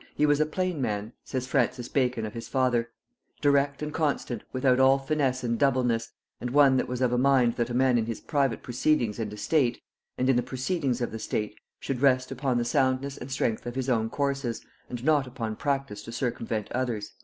"He was a plain man," says Francis Bacon of his father, "direct and constant, without all finesse and doubleness, and one that was of a mind that a man in his private proceedings and estate, and in the proceedings of state, should rest upon the soundness and strength of his own courses, and not upon practice to circumvent others."